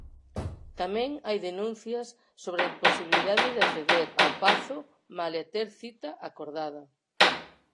Tamén hai denuncias sobre a imposibilidade de acceder ao Pazo malia ter cita acordada.